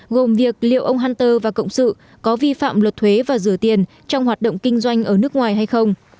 gồm việc liệu ông hunter và cộng sự có vi phạm luật thuế và rửa tiền trong hoạt động kinh doanh ở nước ngoài hay không